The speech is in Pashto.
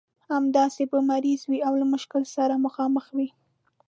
همداسې به مریض وي او له مشکل سره مخامخ وي.